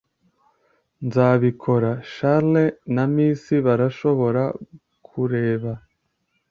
nzabikora. charles na miss barashobora kureba